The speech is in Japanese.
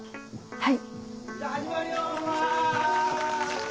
はい！